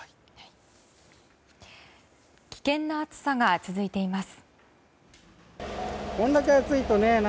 危険な暑さが続いています。